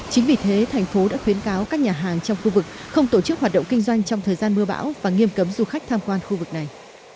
chính vì thế thành phố đã khuyến cáo các nhà hàng trong khu vực không tổ chức hoạt động kinh doanh trong thời gian mưa bão và nghiêm cấm du khách tham quan khu vực này